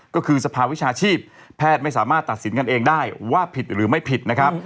ก็คือสภาวิชาชีพแพทย์ไม่สามารถตัดสินกันเองได้ว่าผิดหรือไม่ผิดนะครับ